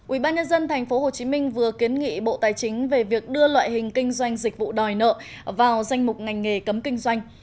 ủy ban nhân dân tp hcm vừa kiến nghị bộ tài chính về việc đưa loại hình kinh doanh dịch vụ đòi nợ vào danh mục ngành nghề cấm kinh doanh